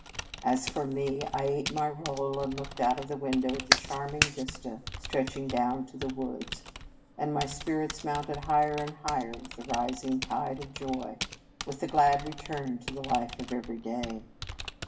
As for me, I ate my roll, and looked out of the window at the charming vista stretching down to the woods; and my spirits mounted higher and higher with the rising tide of joy, with the glad return to the life of every day.